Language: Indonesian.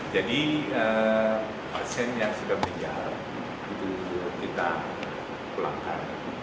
saya sudah meninggal itu kita ulangkan